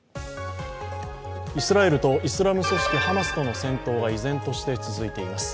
イスラエルとイスラム組織ハマスとの戦闘が依然として続いています。